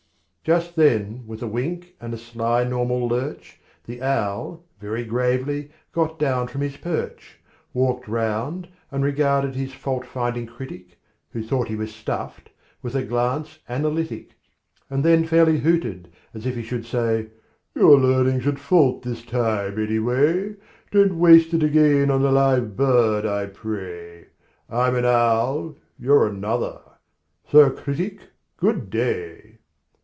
Just then, with a wink and a sly normal lurch, The owl, very gravely, got down from his perch, Walked round, and regarded his fault finding critic (Who thought he was stuffed) with a glance analytic, And then fairly hooted, as if he should say: "Your learning's at fault this time, any way; Don't waste it again on a live bird, I pray. I'm an owl; you're another. Sir Critic, good day!"